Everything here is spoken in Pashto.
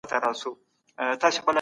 ايا عدالت مهم دی؟